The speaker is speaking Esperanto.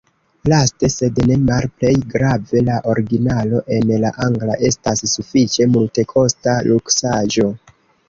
Laste, sed ne malplej grave, la originalo en la angla estas sufiĉe multekosta luksaĵo.